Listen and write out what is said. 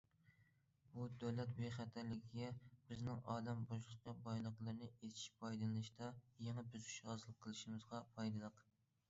بۇ دۆلەت بىخەتەرلىكىگە، بىزنىڭ ئالەم بوشلۇقى بايلىقلىرىنى ئېچىش، پايدىلىنىشتا يېڭى بۆسۈش ھاسىل قىلىشىمىزغا پايدىلىق.